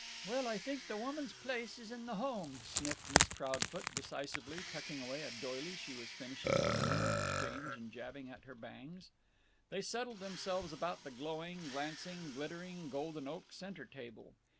"Well, I think the woman's place is in the home," sniffed Miss Proudfoot, decisively, tucking away a doily she was finishing for the Women's Exchange and jabbing at her bangs. They settled themselves about the glowing, glancing, glittering, golden oak center table.